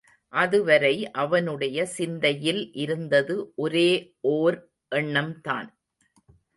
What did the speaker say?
அதுவரை அவனுடைய சிந்தையில் இருந்தது ஒரே ஒர் எண்ணம்தான்.